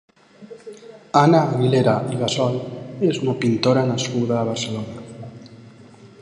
Anna Aguilera i Gassol és una pintora nascuda a Barcelona.